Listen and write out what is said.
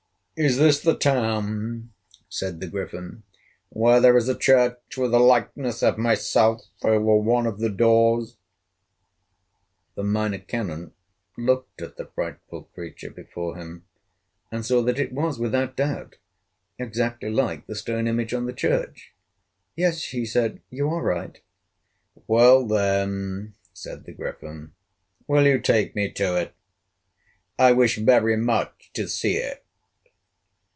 "Is this the town," said the Griffin, "where there is a church with a likeness of myself over one of the doors?" The Minor Canon looked at the frightful creature before him and saw that it was, without doubt, exactly like the stone image on the church. "Yes," he said, "you are right." "Well, then," said the Griffin, "will you take me to it? I wish very much to see it."